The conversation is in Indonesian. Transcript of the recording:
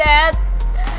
aku tuh super duit